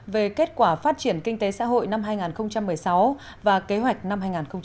về kết quả phát triển kinh tế xã hội năm hai nghìn một mươi sáu và kế hoạch năm hai nghìn hai mươi